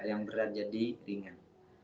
yang berat jadi ringan